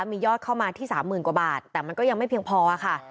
มียอดเข้ามาที่๓๐๐๐กว่าบาทแต่มันก็ยังไม่เพียงพอค่ะ